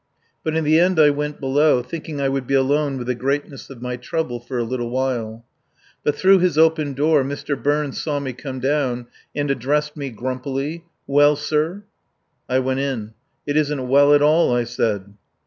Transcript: But in the end I went below, thinking I would be alone with the greatness of my trouble for a little while. But through his open door Mr. Burns saw me come down, and addressed me grumpily: "Well, sir?" I went in. "It isn't well at all," I said.